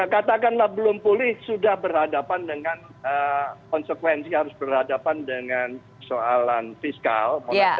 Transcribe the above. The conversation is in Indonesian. katakanlah belum pulih sudah berhadapan dengan konsekuensi harus berhadapan dengan soalan fiskal